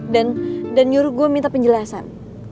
dan nyuruh gue minta penjelasan